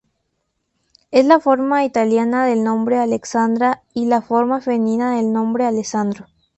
Es la forma italiana del nombre Alexandra y la forma femenina del nombre Alessandro.